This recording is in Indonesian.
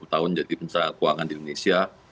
dua puluh tahun jadi pencerahan keuangan di indonesia